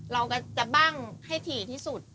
เราก็จะบ้างให้ถี่ที่สุด